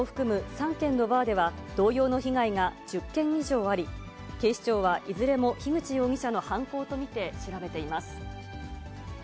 ３軒のバーでは、同様の被害が１０件以上あり、警視庁はいずれも樋口容疑者の犯行と見て調べています。